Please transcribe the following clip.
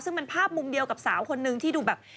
ซึ่งเป็นภาพมุมเดียวกับสาวคนนึงที่ดูแบบ